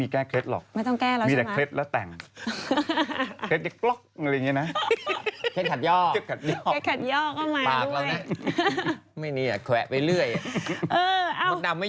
เคล็ดหรืออะไรก็ไม่รู้ไม่แน่ใจ